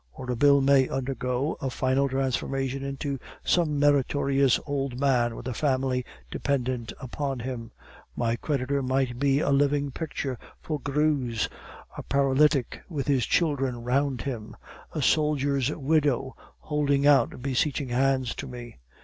"Or a bill may undergo a final transformation into some meritorious old man with a family dependent upon him. My creditor might be a living picture for Greuze, a paralytic with his children round him, a soldier's widow, holding out beseeching hands to me.